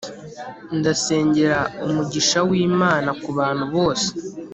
ndasengera umugisha w'imana kubantu bose